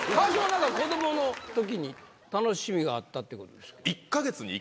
何か子どもの時に楽しみがあったってことですが。